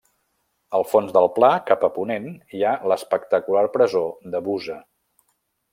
Al fons del pla, cap a ponent, hi ha l'espectacular presó de Busa.